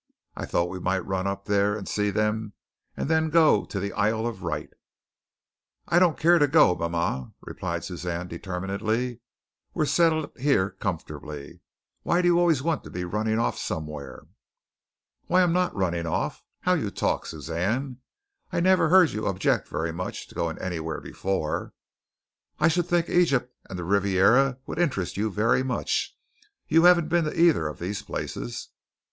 I thought we might run up there and see them and then go to the Isle of Wight." "I don't care to go, mama," replied Suzanne determinedly. "We're settled here comfortably. Why do you always want to be running off somewhere?" "Why, I'm not running how you talk, Suzanne! I never heard you object very much to going anywhere before. I should think Egypt and the Riviera would interest you very much. You haven't been to either of these places."